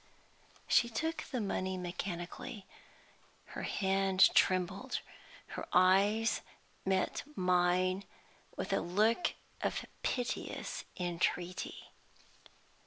She took the money mechanically. Her hand trembled; her eyes met mine with a look of piteous entreaty.